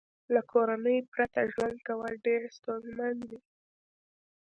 له کورنۍ پرته ژوند کول ډېر ستونزمن وي